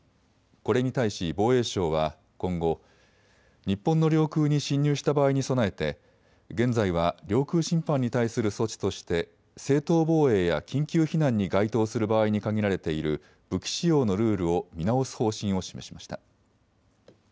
これに対し防衛省は今後、日本の領空に侵入した場合に備えて現在は領空侵犯に対する措置として正当防衛や緊急避難に該当する場合に限られている武器使用のルールを見直す方針を示しました。